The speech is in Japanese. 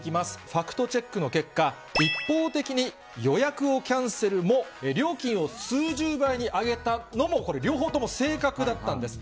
ファクトチェックの結果、一方的に予約をキャンセルも、料金を数十倍に上げたのも、これ、両方とも正確だったんです。